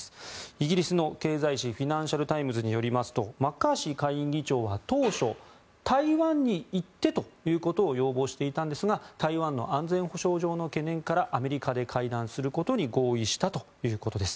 イギリスの経済紙フィナンシャル・タイムズによりますとマッカーシー下院議長は当初、台湾に行ってということを要望していたんですが台湾の安全保障上の懸念からアメリカで会談することに合意したということです。